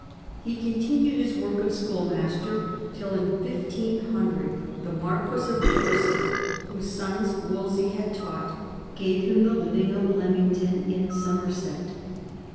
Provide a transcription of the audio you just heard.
He continued his work of schoolmaster till in 1500 the Marquis of Dorset, whose sons Wolsey had taught, gave him the living of Lym ington in Somerset.